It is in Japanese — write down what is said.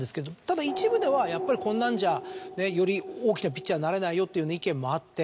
ただ一部ではやっぱりこんなんじゃより大きなピッチャーになれないよという意見もあって。